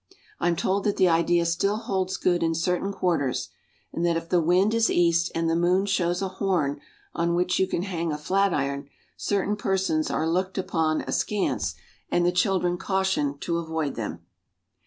I'm told that the idea still holds good in certain quarters, and that if the wind is east and the moon shows a horn on which you can hang a flatiron, certain persons are looked upon askance and the children cautioned to avoid them.